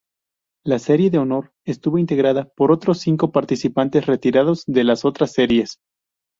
La Serie de Honor estuvo integrada por cinco participantes retirados de las otras series.